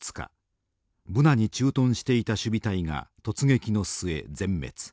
ブナに駐屯していた守備隊が突撃の末全滅。